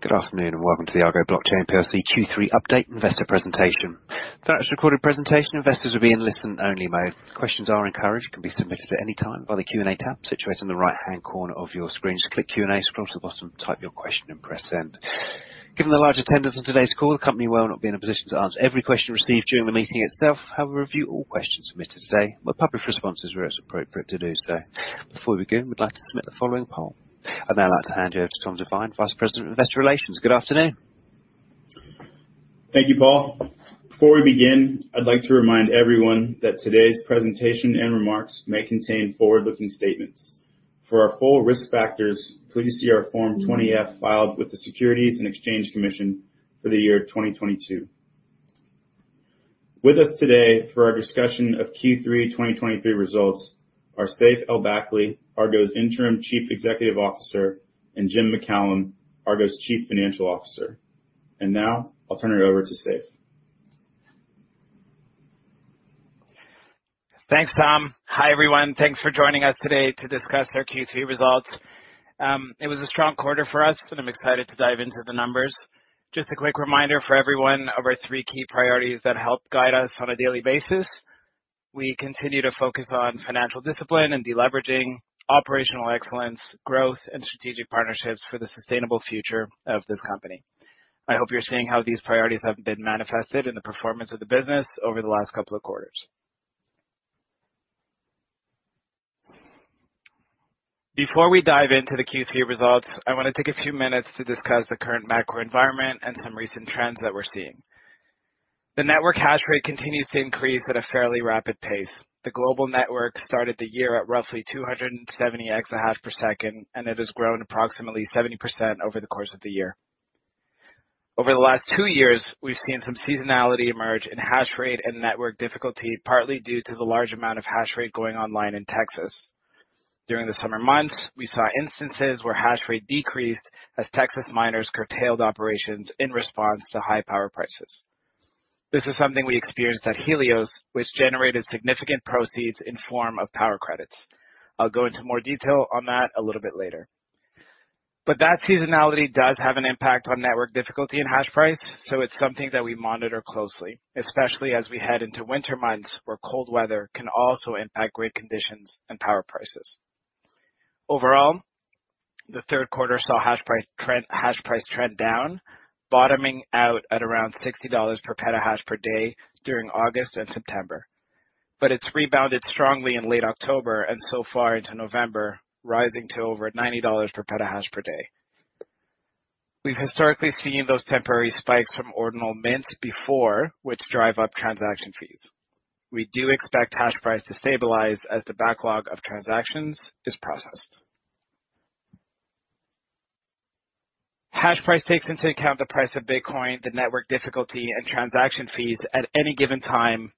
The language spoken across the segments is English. Good afternoon, and welcome to the Argo Blockchain PLC Q3 update investor presentation. For this recorded presentation, investors will be in listen-only mode. Questions are encouraged, can be submitted at any time by the Q&A tab situated on the right-hand corner of your screen. Just click Q&A, scroll to the bottom, type your question and press Send. Given the large attendance on today's call, the company will not be in a position to answer every question received during the meeting itself. However, we review all questions submitted today, with public responses where it's appropriate to do so. Before we begin, we'd like to submit the following poll. I'd now like to hand you over to Tom DeVine, Vice President of Investor Relations. Good afternoon! Thank you, Paul. Before we begin, I'd like to remind everyone that today's presentation and remarks may contain forward-looking statements. For our full risk factors, please see our Form 20-F filed with the Securities and Exchange Commission for the year 2022. With us today for our discussion of Q3 2023 results are Seif El-Bakly, Argo's Interim Chief Executive Officer, and Jim MacCallum, Argo's Chief Financial Officer. Now I'll turn it over to Seif. Thanks, Tom. Hi, everyone. Thanks for joining us today to discuss our Q3 results. It was a strong quarter for us, and I'm excited to dive into the numbers. Just a quick reminder for everyone of our three key priorities that help guide us on a daily basis. We continue to focus on financial discipline and deleveraging, operational excellence, growth and strategic partnerships for the sustainable future of this company. I hope you're seeing how these priorities have been manifested in the performance of the business over the last couple of quarters. Before we dive into the Q3 results, I want to take a few minutes to discuss the current macro environment and some recent trends that we're seeing. The network hash rate continues to increase at a fairly rapid pace. The global network started the year at roughly 270 exahash per second, and it has grown approximately 70% over the course of the year. Over the last two years, we've seen some seasonality emerge in hash rate and network difficulty, partly due to the large amount of hash rate going online in Texas. During the summer months, we saw instances where hash rate decreased as Texas miners curtailed operations in response to high power prices. This is something we experienced at Helios, which generated significant proceeds in form of power credits. I'll go into more detail on that a little bit later. But that seasonality does have an impact on network difficulty and hash price, so it's something that we monitor closely, especially as we head into winter months, where cold weather can also impact grid conditions and power prices. Overall, the third quarter saw hash price trend down, bottoming out at around $60 per petahash per day during August and September. But it's rebounded strongly in late October and so far into November, rising to over $90 per petahash per day. We've historically seen those temporary spikes from Ordinal mints before, which drive up transaction fees. We do expect hash price to stabilize as the backlog of transactions is processed. Hash price takes into account the price of Bitcoin, the Network Difficulty, and transaction fees at any given time.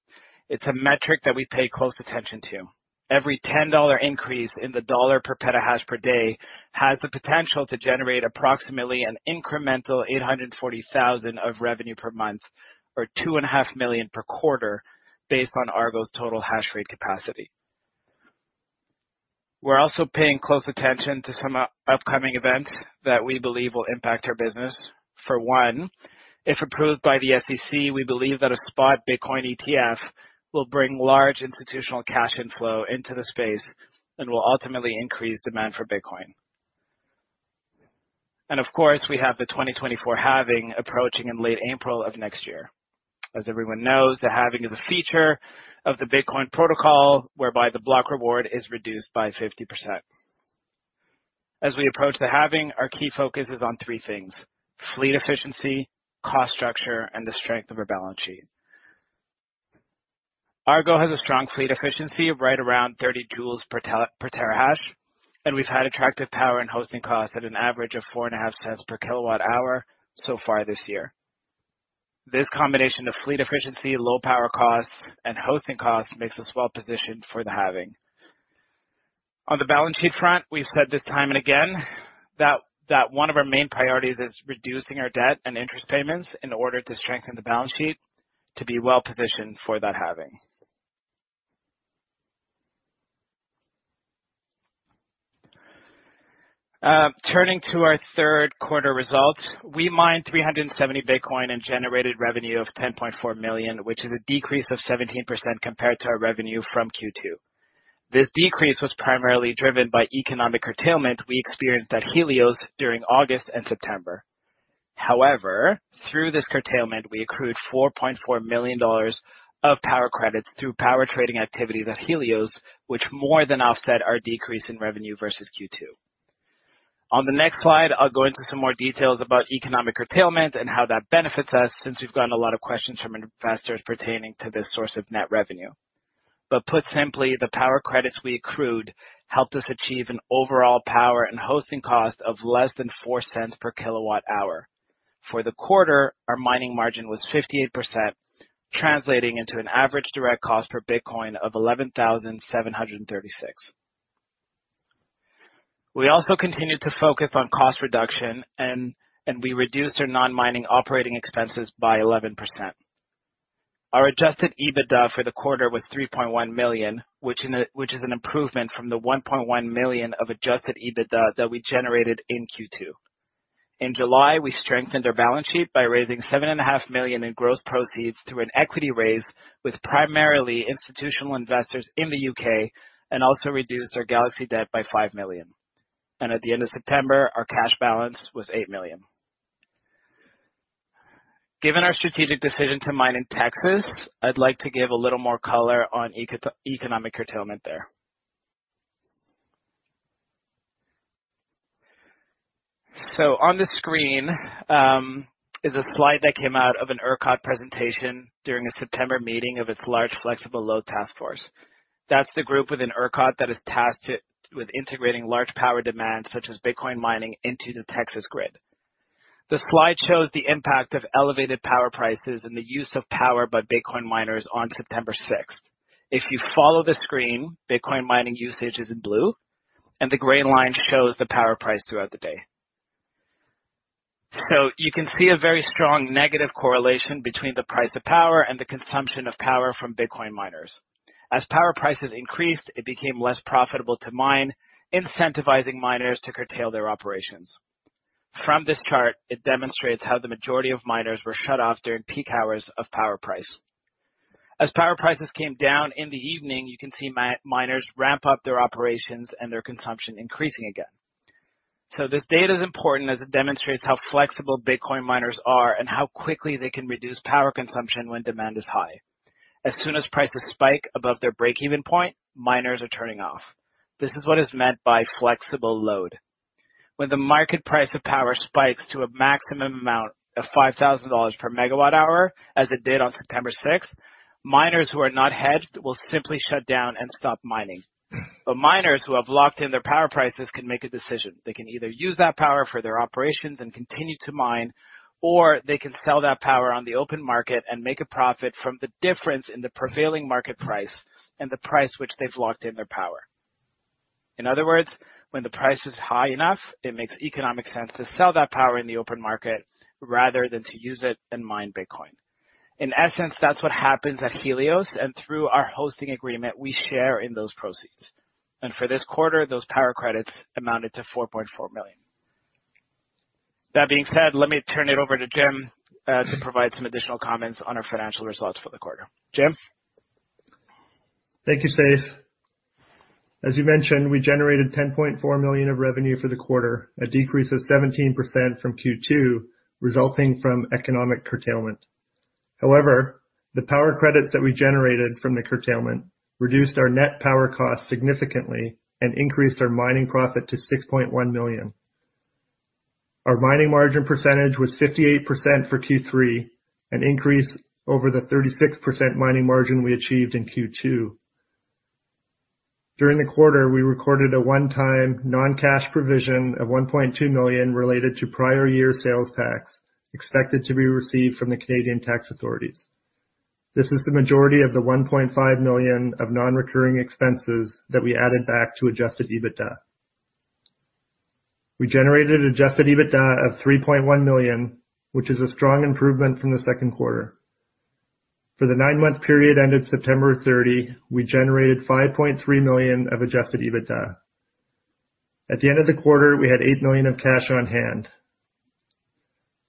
It's a metric that we pay close attention to. Every $10 increase in the $ per petahash per day has the potential to generate approximately an incremental $840,000 of revenue per month, or $2.5 million per quarter, based on Argo's total Hash Rate capacity. We're also paying close attention to some upcoming events that we believe will impact our business. For one, if approved by the SEC, we believe that a spot Bitcoin ETF will bring large institutional cash inflow into the space and will ultimately increase demand for Bitcoin. And of course, we have the 2024 halving approaching in late April of next year. As everyone knows, the halving is a feature of the Bitcoin protocol, whereby the block reward is reduced by 50%. As we approach the halving, our key focus is on three things: fleet efficiency, cost structure, and the strength of our balance sheet. Argo has a strong fleet efficiency, right around 30 joules per terahash, and we've had attractive power and hosting costs at an average of $0.045 per kWh so far this year. This combination of fleet efficiency, low power costs, and hosting costs makes us well positioned for the halving. On the balance sheet front, we've said this time and again, that, that one of our main priorities is reducing our debt and interest payments in order to strengthen the balance sheet to be well-positioned for that halving. Turning to our third quarter results. We mined 370 Bitcoin and generated revenue of $10.4 million, which is a decrease of 17% compared to our revenue from Q2. This decrease was primarily driven by economic curtailment we experienced at Helios during August and September. However, through this curtailment, we accrued $4.4 million of power credits through power trading activities at Helios, which more than offset our decrease in revenue versus Q2. On the next slide, I'll go into some more details about economic curtailment and how that benefits us, since we've gotten a lot of questions from investors pertaining to this source of net revenue. But put simply, the power credits we accrued helped us achieve an overall power and hosting cost of less than $0.04/kWh. For the quarter, our mining margin was 58%, translating into an average direct cost per Bitcoin of $11,736. We also continued to focus on cost reduction, and we reduced our non-mining operating expenses by 11%. Our adjusted EBITDA for the quarter was $3.1 million, which is an improvement from the $1.1 million of adjusted EBITDA that we generated in Q2. In July, we strengthened our balance sheet by raising $7.5 million in gross proceeds through an equity raise with primarily institutional investors in the U.K., and also reduced our Galaxy debt by $5 million. At the end of September, our cash balance was $8 million. Given our strategic decision to mine in Texas, I'd like to give a little more color on economic curtailment there. On the screen is a slide that came out of an ERCOT presentation during a September meeting of its large flexible load task force. That's the group within ERCOT that is tasked with integrating large power demands, such as Bitcoin mining, into the Texas grid. The slide shows the impact of elevated power prices and the use of power by Bitcoin miners on September 6. If you follow the screen, Bitcoin mining usage is in blue, and the gray line shows the power price throughout the day. You can see a very strong negative correlation between the price of power and the consumption of power from Bitcoin miners. As power prices increased, it became less profitable to mine, incentivizing miners to curtail their operations. From this chart, it demonstrates how the majority of miners were shut off during peak hours of power price. As power prices came down in the evening, you can see miners ramp up their operations and their consumption increasing again. This data is important as it demonstrates how flexible Bitcoin miners are and how quickly they can reduce power consumption when demand is high. As soon as prices spike above their breakeven point, miners are turning off. This is what is meant by flexible load. When the market price of power spikes to a maximum amount of $5,000 per megawatt hour, as it did on September sixth, miners who are not hedged will simply shut down and stop mining. But miners who have locked in their power prices can make a decision. They can either use that power for their operations and continue to mine, or they can sell that power on the open market and make a profit from the difference in the prevailing market price and the price which they've locked in their power. In other words, when the price is high enough, it makes economic sense to sell that power in the open market rather than to use it and mine Bitcoin. In essence, that's what happens at Helios, and through our hosting agreement, we share in those proceeds. For this quarter, those power credits amounted to $4.4 million. That being said, let me turn it over to Jim to provide some additional comments on our financial results for the quarter. Jim? Thank you, Seif. As you mentioned, we generated $10.4 million of revenue for the quarter, a decrease of 17% from Q2, resulting from economic curtailment. However, the power credits that we generated from the curtailment reduced our net power costs significantly and increased our mining profit to $6.1 million. Our mining margin percentage was 58% for Q3, an increase over the 36% mining margin we achieved in Q2. During the quarter, we recorded a one-time non-cash provision of $1.2 million related to prior year sales tax, expected to be received from the Canadian tax authorities. This is the majority of the $1.5 million of non-recurring expenses that we added back to Adjusted EBITDA. We generated Adjusted EBITDA of $3.1 million, which is a strong improvement from the second quarter. For the nine-month period ended September 30, we generated $5.3 million of adjusted EBITDA. At the end of the quarter, we had $8 million of cash on hand.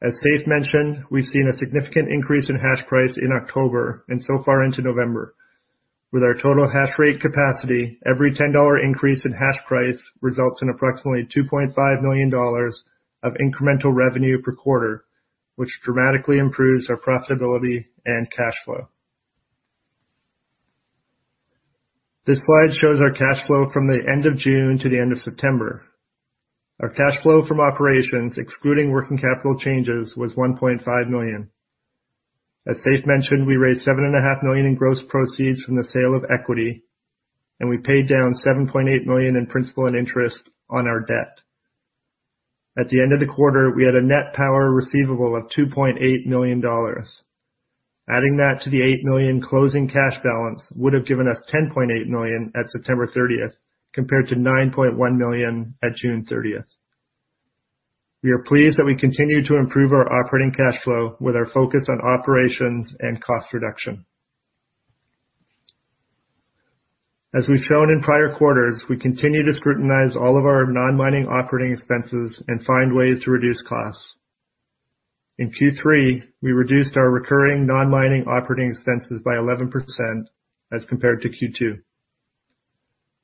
As Saif mentioned, we've seen a significant increase in hash price in October and so far into November. With our total hash rate capacity, every $10 increase in hash price results in approximately $2.5 million of incremental revenue per quarter, which dramatically improves our profitability and cash flow. This slide shows our cash flow from the end of June to the end of September. Our cash flow from operations, excluding working capital changes, was $1.5 million. As Saif mentioned, we raised $7.5 million in gross proceeds from the sale of equity, and we paid down $7.8 million in principal and interest on our debt. At the end of the quarter, we had a net power receivable of $2.8 million. Adding that to the $8 million closing cash balance would have given us $10.8 million at September 30th, compared to $9.1 million at June 30th. We are pleased that we continue to improve our operating cash flow with our focus on operations and cost reduction. As we've shown in prior quarters, we continue to scrutinize all of our non-mining operating expenses and find ways to reduce costs. In Q3, we reduced our recurring non-mining operating expenses by 11% as compared to Q2.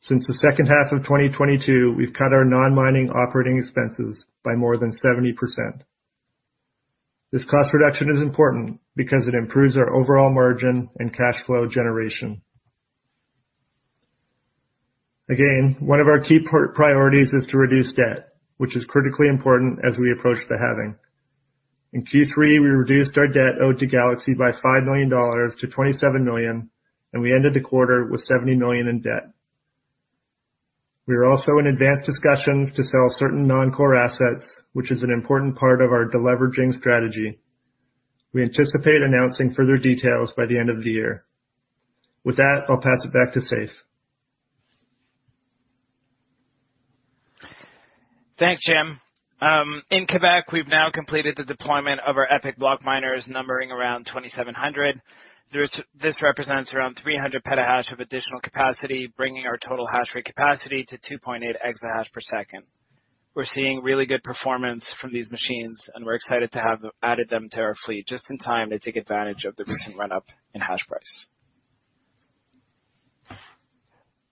Since the second half of 2022, we've cut our non-mining operating expenses by more than 70%. This cost reduction is important because it improves our overall margin and cash flow generation. Again, one of our key priorities is to reduce debt, which is critically important as we approach the halving. In Q3, we reduced our debt owed to Galaxy by $5 million to $27 million, and we ended the quarter with $70 million in debt. We are also in advanced discussions to sell certain non-core assets, which is an important part of our deleveraging strategy. We anticipate announcing further details by the end of the year. With that, I'll pass it back to Seif.... Thanks, Jim. In Quebec, we've now completed the deployment of our ePIC BlockMiners, numbering around 2,700. This represents around 300 petahash of additional capacity, bringing our total hash rate capacity to 2.8 exahash per second. We're seeing really good performance from these machines, and we're excited to have added them to our fleet just in time to take advantage of the recent run up in hash price.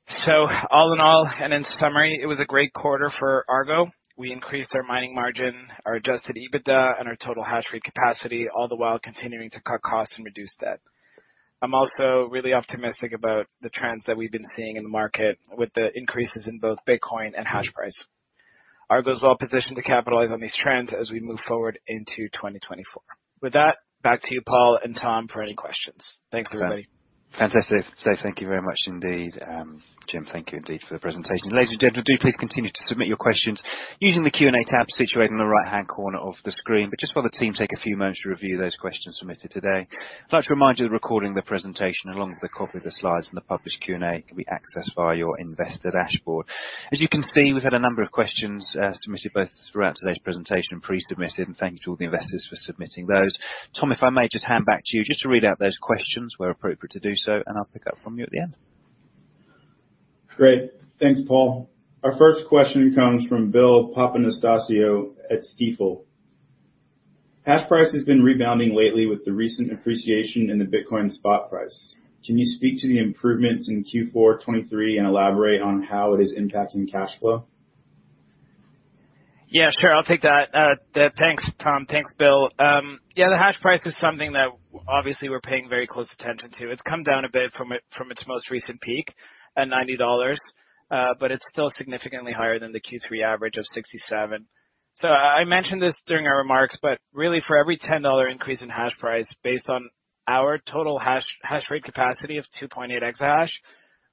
So all in all, and in summary, it was a great quarter for Argo. We increased our mining margin, our Adjusted EBITDA, and our total hashrate capacity, all the while continuing to cut costs and reduce debt. I'm also really optimistic about the trends that we've been seeing in the market with the increases in both Bitcoin and hash price. Argo is well positioned to capitalize on these trends as we move forward into 2024. With that, back to you, Paul and Tom, for any questions. Thanks, everybody. Fantastic. Seif, thank you very much indeed. Jim, thank you indeed for the presentation. Ladies and gentlemen, do please continue to submit your questions using the Q&A tab situated in the right-hand corner of the screen. But just while the team take a few moments to review those questions submitted today, I'd like to remind you that recording the presentation along with a copy of the slides and the published Q&A can be accessed via your investor dashboard. As you can see, we've had a number of questions, submitted both throughout today's presentation and pre-submitted, and thank you to all the investors for submitting those. Tom, if I may just hand back to you just to read out those questions where appropriate to do so, and I'll pick up from you at the end. Great. Thanks, Paul. Our first question comes from Bill Papanastasiou at Stifel. Hash price has been rebounding lately with the recent appreciation in the Bitcoin spot price. Can you speak to the improvements in Q4 2023 and elaborate on how it is impacting cash flow? Yeah, sure. I'll take that. Thanks, Tom. Thanks, Bill. Yeah, the hash price is something that obviously we're paying very close attention to. It's come down a bit from its most recent peak at $90, but it's still significantly higher than the Q3 average of $67. So I mentioned this during our remarks, but really, for every $10 increase in hash price, based on our total hash rate capacity of 2.8 exahash,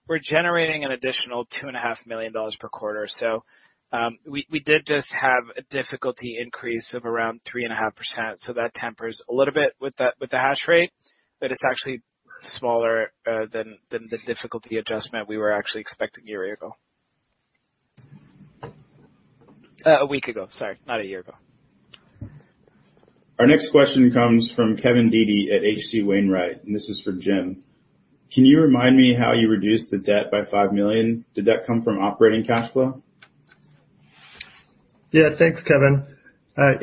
we're generating an additional $2.5 million per quarter. So, we did just have a difficulty increase of around 3.5%, so that tempers a little bit with the hash rate, but it's actually smaller than the difficulty adjustment we were actually expecting a week ago, sorry, not a year ago. Our next question comes from Kevin Dede at H.C. Wainwright, and this is for Jim. Can you remind me how you reduced the debt by $5 million? Did that come from operating cash flow? Yeah. Thanks, Kevin.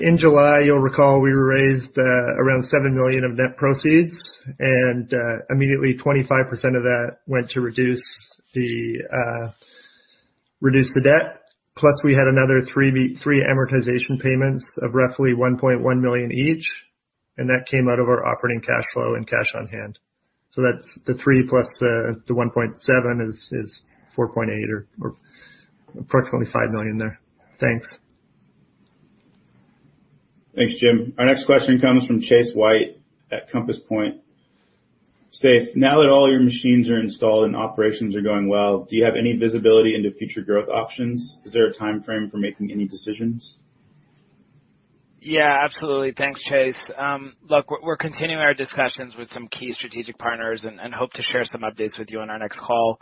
In July, you'll recall we raised around $7 million of net proceeds, and immediately, 25% of that went to reduce the debt. Plus, we had another three amortization payments of roughly $1.1 million each, and that came out of our operating cash flow and cash on hand. So that's the three plus the $1.7 million is $4.8 million or approximately $5 million there. Thanks. Thanks, Jim. Our next question comes from Chase White at Compass Point. Seif, now that all your machines are installed and operations are going well, do you have any visibility into future growth options? Is there a timeframe for making any decisions? Yeah, absolutely. Thanks, Chase. Look, we're continuing our discussions with some key strategic partners and hope to share some updates with you on our next call.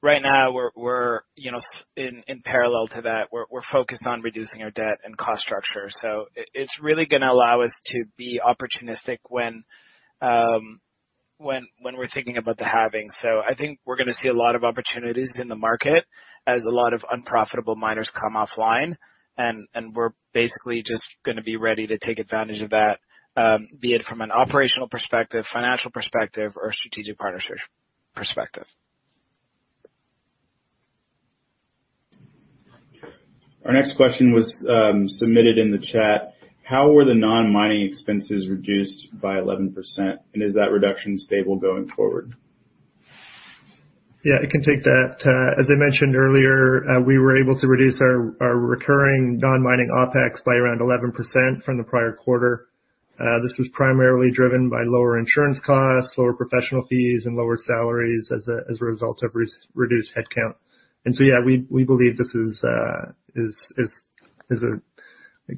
Right now we're, you know, in parallel to that, we're focused on reducing our debt and cost structure. So it's really gonna allow us to be opportunistic when we're thinking about the halving. So I think we're gonna see a lot of opportunities in the market as a lot of unprofitable miners come offline, and we're basically just gonna be ready to take advantage of that, be it from an operational perspective, financial perspective, or strategic partnership perspective. Our next question was, submitted in the chat. How were the non-mining expenses reduced by 11%, and is that reduction stable going forward? Yeah, I can take that. As I mentioned earlier, we were able to reduce our recurring non-mining OpEx by around 11% from the prior quarter. This was primarily driven by lower insurance costs, lower professional fees, and lower salaries as a result of reduced headcount. And so, yeah, we believe this is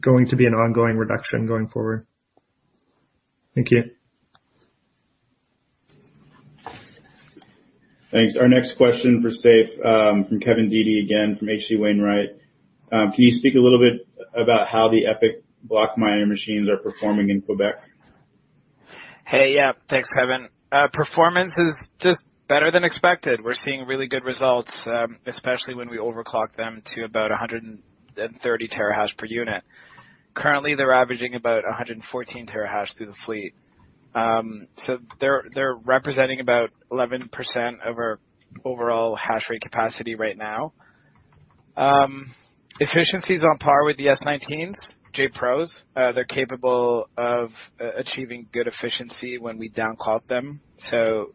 going to be an ongoing reduction going forward. Thank you. Thanks. Our next question for Seif, from Kevin Dede again from H.C. Wainwright. Can you speak a little bit about how the ePIC BlockMiner machines are performing in Quebec? Hey, yeah. Thanks, Kevin. Performance is just better than expected. We're seeing really good results, especially when we overclock them to about 130 terahash per unit. Currently, they're averaging about 114 terahash through the fleet. So they're representing about 11% of our overall hashrate capacity right now. Efficiency is on par with the S19s, J Pros. They're capable of achieving good efficiency when we downclock them. So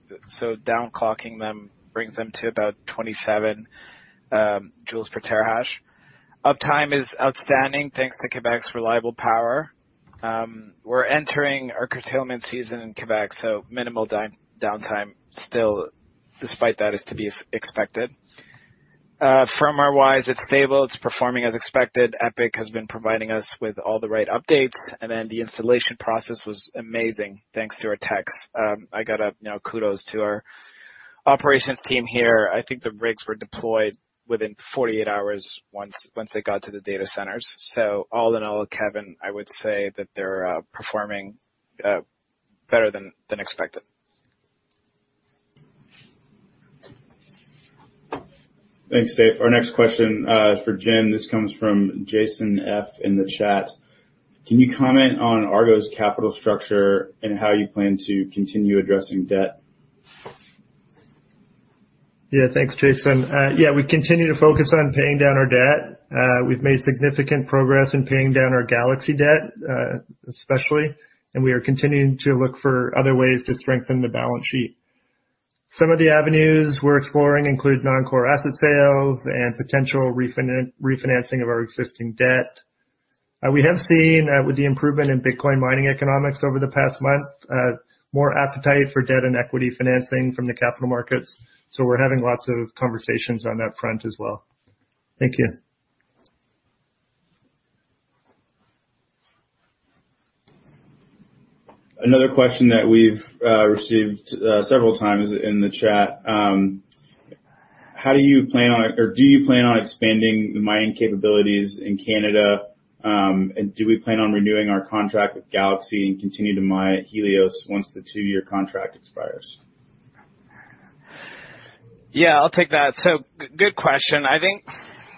downclocking them brings them to about 27 joules per terahash. Uptime is outstanding thanks to Quebec's reliable power. We're entering our curtailment season in Quebec, so minimal downtime still is to be expected. Firmware-wise, it's stable. It's performing as expected. ePIC has been providing us with all the right updates, and then the installation process was amazing, thanks to our techs. I got to now kudos to our operations team here. I think the rigs were deployed within 48 hours once they got to the data centers. So all in all, Kevin, I would say that they're performing better than expected. Thanks, Seif. Our next question for Jim. This comes from Jason F in the chat. Can you comment on Argo's capital structure and how you plan to continue addressing debt? Yeah, thanks, Jason. Yeah, we continue to focus on paying down our debt. We've made significant progress in paying down our Galaxy debt, especially, and we are continuing to look for other ways to strengthen the balance sheet. Some of the avenues we're exploring include non-core asset sales and potential refinancing of our existing debt. We have seen, with the improvement in Bitcoin mining economics over the past month, more appetite for debt and equity financing from the capital markets, so we're having lots of conversations on that front as well. Thank you. Another question that we've received several times in the chat. How do you plan on or do you plan on expanding the mining capabilities in Canada? And do we plan on renewing our contract with Galaxy and continue to mine at Helios once the two-year contract expires? Yeah, I'll take that. So good question. I think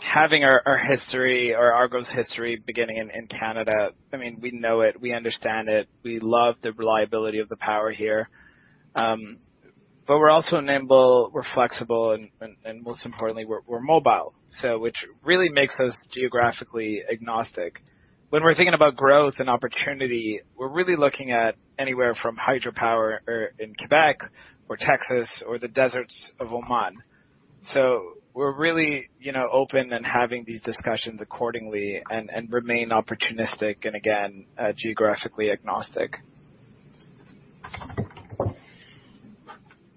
having our history or Argo's history beginning in Canada, I mean, we know it, we understand it, we love the reliability of the power here. But we're also nimble, we're flexible, and most importantly, we're mobile, so which really makes us geographically agnostic. When we're thinking about growth and opportunity, we're really looking at anywhere from hydropower or in Quebec or Texas or the deserts of Oman. So we're really, you know, open and having these discussions accordingly and remain opportunistic and again geographically agnostic.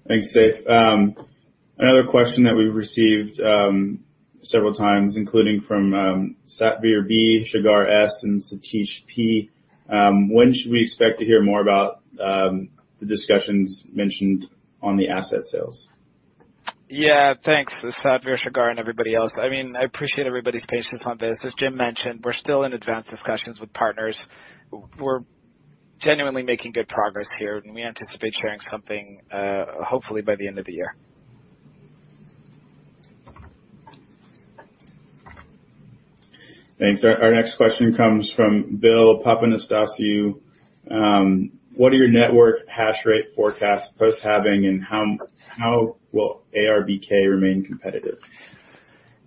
Thanks, Seif. Another question that we've received several times, including from Satvir B, Shagar S, and Satish P. When should we expect to hear more about the discussions mentioned on the asset sales? Yeah, thanks, Satvir, Shagar, and everybody else. I mean, I appreciate everybody's patience on this. As Jim mentioned, we're still in advanced discussions with partners. We're genuinely making good progress here, and we anticipate sharing something, hopefully by the end of the year. Thanks. Our next question comes from Bill Papanastasiou. What are your network hash rate forecasts post-halving, and how will ARBK remain competitive?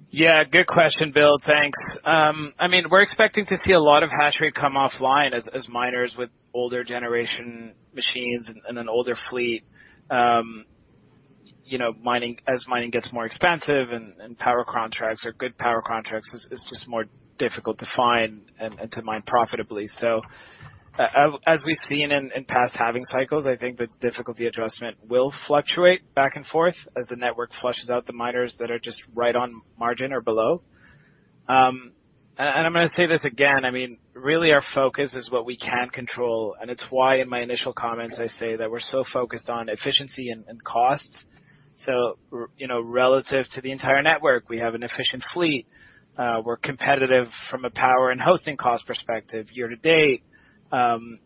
Yeah, good question, Bill. Thanks. I mean, we're expecting to see a lot of hash rate come offline as miners with older generation machines and an older fleet. You know, mining, as mining gets more expensive and power contracts or good power contracts is just more difficult to find and to mine profitably. So as we've seen in past halving cycles, I think the difficulty adjustment will fluctuate back and forth as the network flushes out the miners that are just right on margin or below. And I'm gonna say this again, I mean, really our focus is what we can control, and it's why in my initial comments, I say that we're so focused on efficiency and costs. So, you know, relative to the entire network, we have an efficient fleet. We're competitive from a power and hosting cost perspective. Year to date,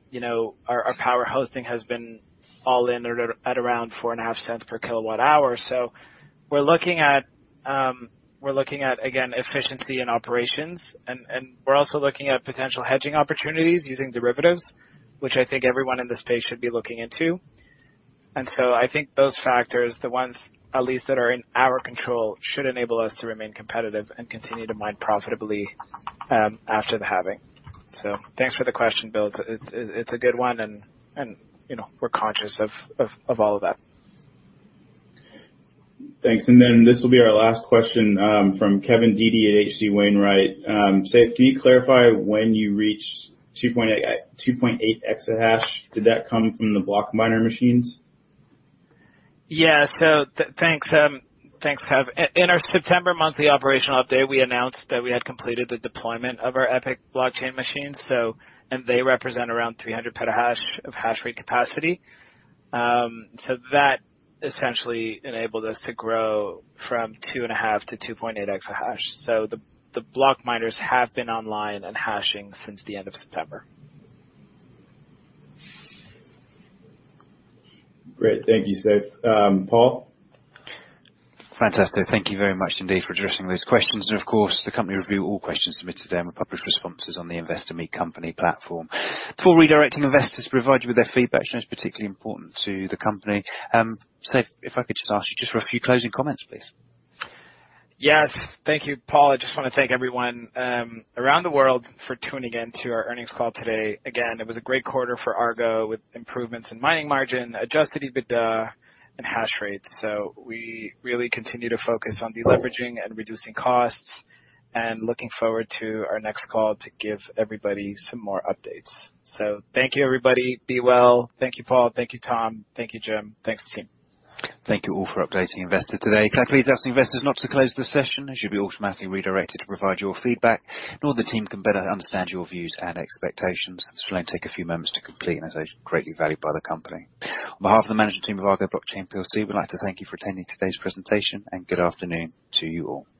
you know, our power hosting has been all in at around $0.045 per kWh. So we're looking at, we're looking at, again, efficiency and operations, and we're also looking at potential hedging opportunities using derivatives, which I think everyone in this space should be looking into. So I think those factors, the ones at least that are in our control, should enable us to remain competitive and continue to mine profitably after the halving. So thanks for the question, Bill. It's a good one, and you know, we're conscious of all of that. Thanks. This will be our last question from Kevin Dede at H.C. Wainwright. Seif, can you clarify when you reached 2.8 exahash, did that come from the BlockMiner machines? Yeah. So thanks, thanks, Kev. In our September monthly operational update, we announced that we had completed the deployment of our ePIC BlockMiner machines, so. And they represent around 300 PH/s of hash rate capacity. So that essentially enabled us to grow from 2.5 EH/s to 2.8 EH/s. So the Block miners have been online and hashing since the end of September. Great. Thank you, Seif. Paul? Fantastic. Thank you very much indeed for addressing those questions. And of course, the company will review all questions submitted today and will publish responses on the Investor Meet Company platform. Before redirecting investors to provide you with their feedback, I know it's particularly important to the company. Seif, if I could just ask you just for a few closing comments, please. Yes. Thank you, Paul. I just want to thank everyone around the world for tuning in to our earnings call today. Again, it was a great quarter for Argo, with improvements in Mining Margin, Adjusted EBITDA, and hash rates. So we really continue to focus on deleveraging and reducing costs, and looking forward to our next call to give everybody some more updates. So thank you, everybody. Be well. Thank you, Paul. Thank you, Tom. Thank you, Jim. Thanks to the team. Thank you all for updating investors today. Can I please ask investors not to close this session, as you'll be automatically redirected to provide your feedback, so the team can better understand your views and expectations. This will only take a few moments to complete, and as I said, greatly valued by the company. On behalf of the management team of Argo Blockchain PLC, we'd like to thank you for attending today's presentation, and good afternoon to you all.